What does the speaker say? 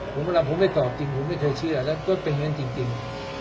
เวลาผมไม่ตอบจริงผมไม่เคยเชื่อแล้วก็เป็นอย่างนั้นจริง